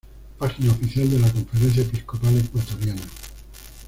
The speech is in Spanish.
Página oficial de la Conferencia Episcopal Ecuatoriana